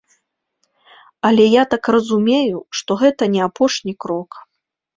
Але я так разумею, што гэта не апошні крок.